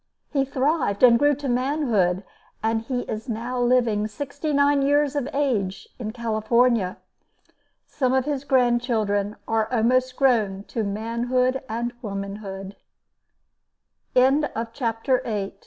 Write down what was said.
He thrived and grew to manhood and he is now living, sixty nine years of age, in California. Some of his grandchildren are almost grown to manhood and womanhood. [Illustration: _Myers